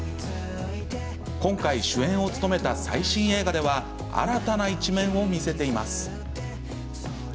今回、主演を務めた最新映画では新たな一面を見せています。